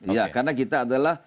ya karena kita adalah